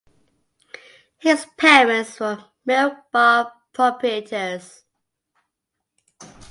His parents were milk-bar proprietors.